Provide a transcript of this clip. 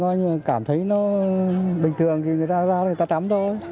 coi như là cảm thấy nó bình thường thì người ta ra thì người ta tắm thôi